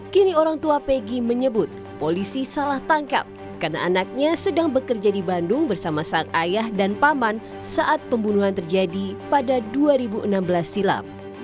kini orang tua pegi menyebut polisi salah tangkap karena anaknya sedang bekerja di bandung bersama sang ayah dan paman saat pembunuhan terjadi pada dua ribu enam belas silam